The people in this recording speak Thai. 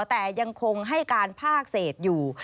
แต่ยังคงให้การภาคเศษอยู่